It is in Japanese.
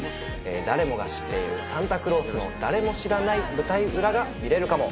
誰もが知っているサンタクロースの誰も知らない舞台裏が見れるかも。